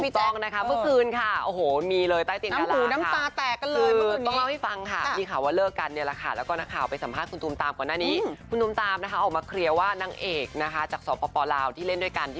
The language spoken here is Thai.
ถูกต้องนะครับเมื่อคืนค่ะโอ้โหมีเลยใต้เตียงกะลาวค่ะ